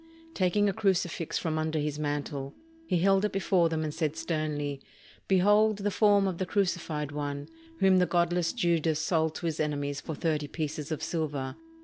Taking a crucifix from under his mantle, he held it before them and said sternly: "Behold the form of the crucified One, whom the godless Judas sold to his enemies for thirty pieces of silver.